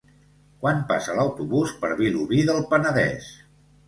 Quan passa l'autobús per Vilobí del Penedès?